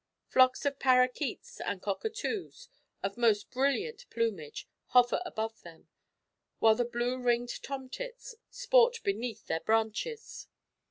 Flocks of paroquets and cockatoos, of most brilliant plumage, hover above them, while the blue ringed tomtits sport beneath their branches.